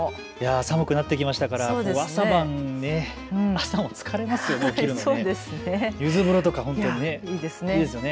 寒くなってきましたから、朝晩、朝も疲れますよね、起きるの。ゆず風呂とかいいですよね。